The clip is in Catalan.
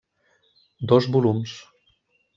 Dos volums.